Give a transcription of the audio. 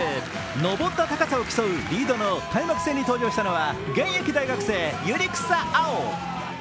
登った高さを競うリードの開幕戦に登場したのは現役大学生・百合草碧皇。